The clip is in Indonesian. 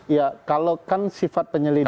ya kalau kan sifat penyelidikan